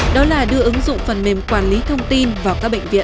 đó là đưa ứng dụng phần mềm quản lý thông tin vào các bệnh viện